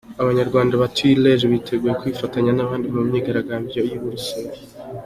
Abanyarwanda batuye i Liege biteguye kwifatanya n’abandi mu myigaragambyo y’ i Buruseli